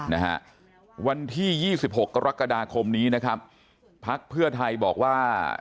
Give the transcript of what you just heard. นะฮะวันที่ยี่สิบหกกรกฎาคมนี้นะครับพักเพื่อไทยบอกว่า